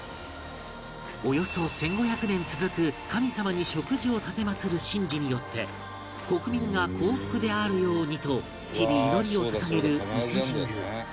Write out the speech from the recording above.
およそ１５００年続く神様に食事を奉る神事によって国民が幸福であるようにと日々祈りを捧げる伊勢神宮